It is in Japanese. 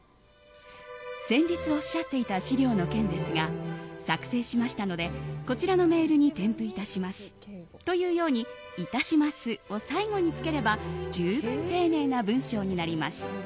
先日おっしゃっていた資料の件ですが作成しましたのでこちらのメールに添付致しますというように「致します」を最後につければ十分丁寧な文章になります。